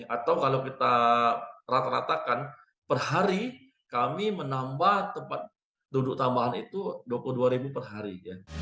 atau kalau kita rata ratakan per hari kami menambah tempat duduk tambahan itu dua puluh dua ribu per hari